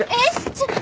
ちょっと。